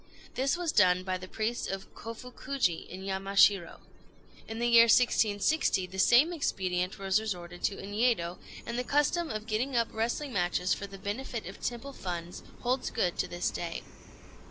This was done by the priests of Kofukuji, in Yamashiro. In the year 1660 the same expedient was resorted to in Yedo, and the custom of getting up wrestling matches for the benefit of temple funds holds good to this day.